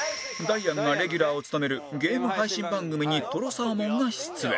ダイアンがレギュラーを務めるゲーム配信番組にとろサーモンが出演